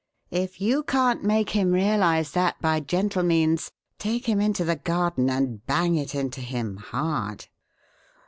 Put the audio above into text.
If you can't make him realize that by gentle means, take him into the garden and bang it into him hard."